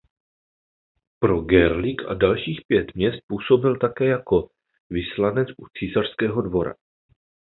Pro Görlitz a další pět měst působil také jako vyslanec u císařského dvora.